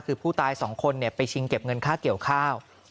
คือผู้ตายสองคนไปชิงเก็บเงินค่าเกี่ยวข้าว